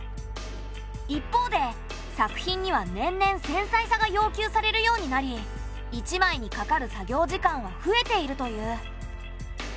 一方で作品には年々繊細さが要求されるようになり１枚にかかる作業時間は増えているという。